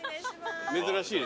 珍しいね